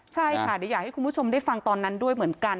ใช่ค่ะเดี๋ยวอยากให้คุณผู้ชมได้ฟังตอนนั้นด้วยเหมือนกัน